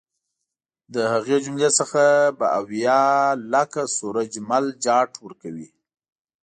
له هغې جملې څخه به اویا لکه سورج مل جاټ ورکوي.